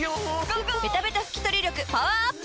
ベタベタ拭き取り力パワーアップ！